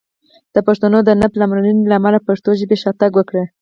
د پښتنو د نه پاملرنې له امله پښتو ژبې شاتګ وکړ!